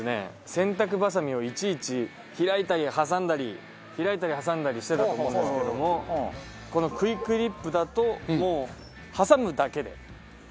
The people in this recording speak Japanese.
洗濯ばさみをいちいち開いたり挟んだり開いたり挟んだりしてたと思うんですけどもこのクイクリップだともう挟むだけで干せると。